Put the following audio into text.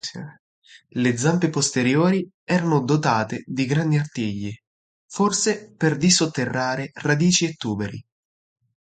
Le zampe posteriori erano dotate di grandi artigli, forse per dissotterrare radici e tuberi.